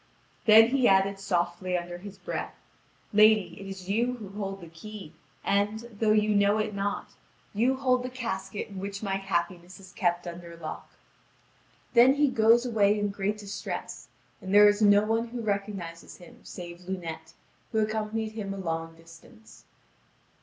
Then he added softly under his breath: "Lady, it is you who hold the key, and, though you know it not, you hold the casket in which my happiness is kept under lock." (Vv. 4635 4674.) Then he goes away in great distress, and there is no one who recognises him save Lunete, who accompanied him a long distance.